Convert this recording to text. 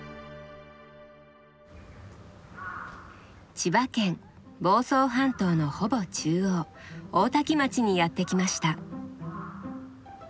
千葉県房総半島のほぼ中央大多喜町にやって来ました。